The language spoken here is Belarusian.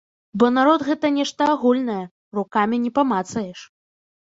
Бо народ гэта нешта агульнае, рукамі не памацаеш.